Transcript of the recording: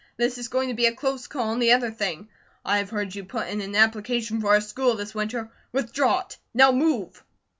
This is going to be a close call. And the other thing: I've heard you put in an application for our school this winter. Withdraw it! Now move!"